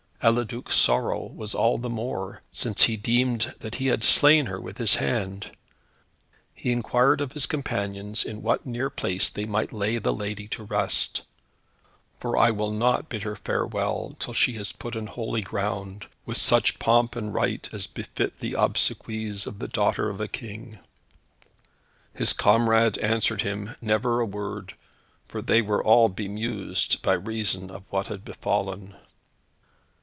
Eliduc's sorrow was all the more, since he deemed that he had slain her with his hand. He inquired of his companions in what near place they might lay the lady to her rest, "for I will not bid her farewell, till she is put in holy ground with such pomp and rite as befit the obsequies of the daughter of a King." His comrades answered him never a word, for they were all bemused by reason of what had befallen.